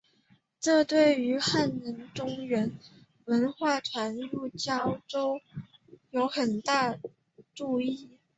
这对于汉人中原文化传入交州有很大的助益。